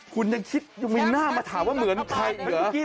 คุณยังทิ้งเมืองหน้ามาถามว่าเหมือนใครเหรอ